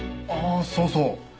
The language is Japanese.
ああそうそう。